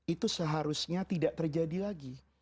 itu seharusnya tidak terjadi lagi